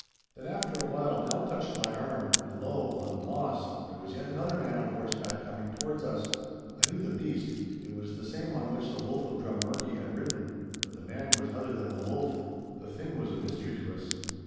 Then after a while Nell touched my arm, and lo! on the Moss, there was yet another man on horseback coming towards us. I knew the beast. It was the same on which the Wolf of Drummurchie had ridden. But the man was other than the Wolf. The thing was a mystery to us.